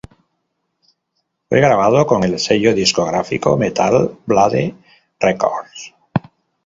Fue grabado con el sello discográfico Metal Blade Records.